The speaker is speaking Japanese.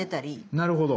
なるほど。